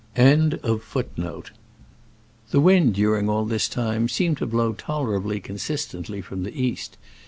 The wind during all this time seemed to blow tolerably consistently from the east.